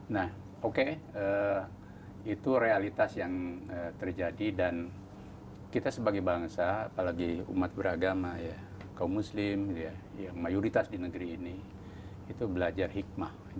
nah oke itu realitas yang terjadi dan kita sebagai bangsa apalagi umat beragama kaum muslim yang mayoritas di negeri ini itu belajar hikmah